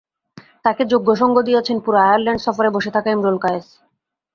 তাঁকে যোগ্য সঙ্গ দিয়েছেন পুরো আয়ারল্যান্ড সফরে বসে থাকা ইমরুল কায়েস।